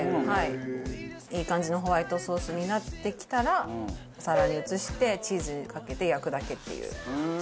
「いい感じのホワイトソースになってきたらお皿に移してチーズかけて焼くだけっていう」